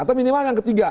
atau minimal yang ketiga